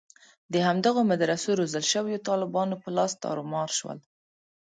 د همدغو مدرسو روزل شویو طالبانو په لاس تارومار شول.